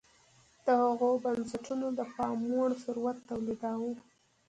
دغو بنسټونو د پاموړ ثروت تولیداوه.